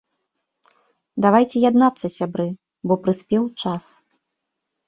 Давайце яднацца, сябры, бо прыспеў час.